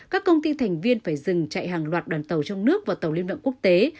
các công ty thành viên phải dừng chạy hàng loạt đoàn tàu trong nước và tàu lưu động quốc tế